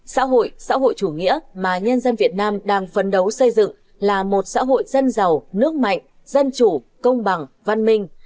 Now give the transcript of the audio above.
xã hội xã hội chủ nghĩa mà nhân dân việt nam đang phấn đấu xây dựng là một xã hội dân giàu nước mạnh dân chủ công bằng văn minh